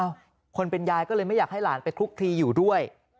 คนเป็นยายก็เลยไม่อยากให้หลานไปคลุกคลีอยู่ด้วย